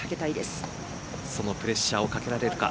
そのプレッシャーをかけられるか。